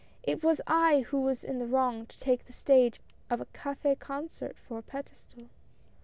" It was I who was in the wrong to take the stage of a cafe concert for a pedestal."